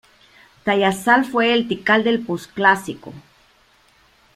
Tayasal fue el Tikal del posclásico.